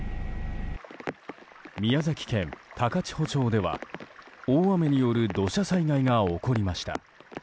宮崎県高千穂町では、大雨による土砂災害が起こりました。